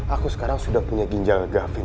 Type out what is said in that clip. aku sekarang sudah punya ginjal gavin